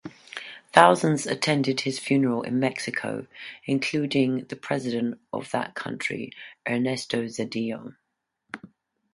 Thousands attended his funeral in Mexico, including the president of that country, Ernesto Zedillo.